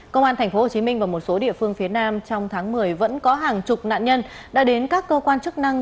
công an thành phố hồ chí minh và một số địa phương phía nam trong tháng một mươi vẫn có hàng chục nạn nhân đã đến các cơ quan chức năng